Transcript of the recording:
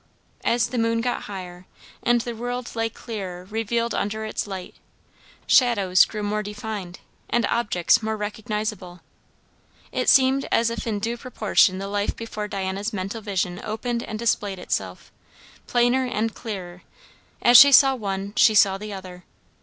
As the moon got higher, and the world lay clearer revealed under its light, shadows grew more defined, and objects more recognisable, it seemed as if in due proportion the life before Diana's mental vision opened and displayed itself, plainer and clearer; as she saw one, she saw the other.